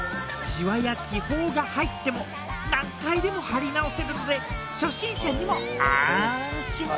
シワや気泡が入っても何回でも貼り直せるので初心者にもあんしん。